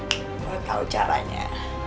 gue tau caranya